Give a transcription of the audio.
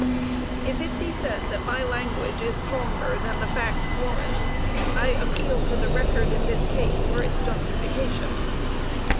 If it be said that my language is stronger than the facts warrant, I appeal to the record in this case for its justification.